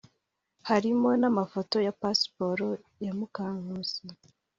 harimo n’amafoto ya pasiporo ya Mukankusi